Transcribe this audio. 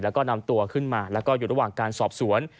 แล้วก็นำตัวขึ้นมาแล้วก็อยู่ระหว่างการสอบสวน